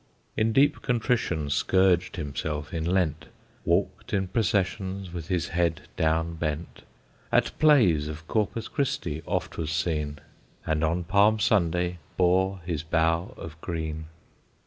In deep contrition scourged himself in Lent, Walked in processions, with his head down bent, At plays of Corpus Christi oft was seen, And on Palm Sunday bore his bough of green.